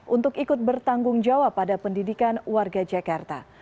untuk ikut bertanggung jawab pada pendidikan warga jakarta